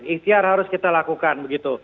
iktiar harus kita lakukan